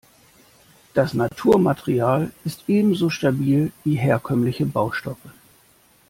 Das Naturmaterial ist ebenso stabil wie herkömmliche Baustoffe.